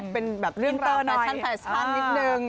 เป็นแบบเรื่องราวแฟชั่นแฟชั่นนิดนึง